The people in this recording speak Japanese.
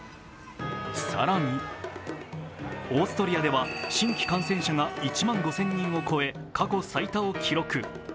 更に、オーストリアでは新規感染者が１万５０００人を超え過去最多を記録。